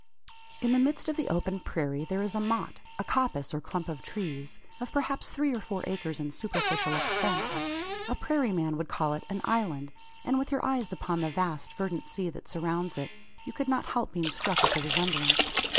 In the midst of the open, prairie there is a "motte" a coppice, or clump of trees of perhaps three or four acres in superficial extent. A prairie man would call it an "island," and with your eyes upon the vast verdant sea that surrounds it, you could not help being struck with the resemblance.